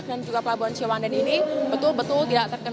maupun pangkat kedua garis